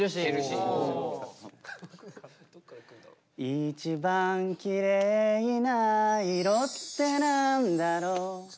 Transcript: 「一番きれいな色ってなんだろう？」